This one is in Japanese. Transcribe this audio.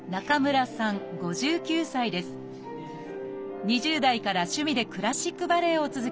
２０代から趣味でクラシックバレエを続けてきました。